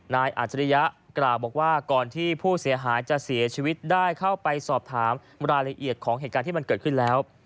อาจริยะกล่าวบอกว่าก่อนที่ผู้เสียหายจะเสียชีวิตได้เข้าไปสอบถามรายละเอียดของเหตุการณ์ที่มันเกิดขึ้นแล้ว